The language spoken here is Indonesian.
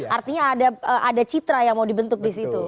artinya ada citra yang mau dibentuk disitu